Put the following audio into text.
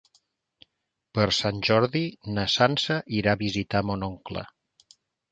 Per Sant Jordi na Sança irà a visitar mon oncle.